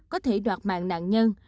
có thể đoạt mạng nạn nhân